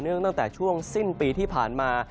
ต่อเนื่องตั้งแต่ช่วงสิ้นปีที่ผ่านมา